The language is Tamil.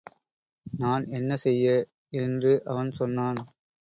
நான் என்ன செய்ய? என்று அவன் சொன்னான்.